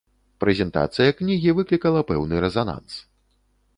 Прэзентацыя кнігі выклікала пэўны рэзананс.